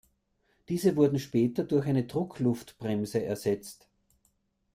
Diese wurden später durch eine Druckluftbremse ersetzt.